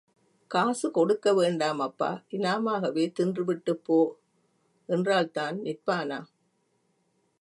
காசு கொடுக்க வேண்டாம் அப்பா இனாமாகவே தின்றுவிட்டுப் போ என்றால்தான் நிற்பானா?